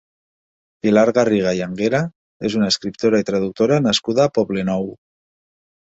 Pilar Garriga i Anguera és una escriptora i traductora nascuda a Poblenou.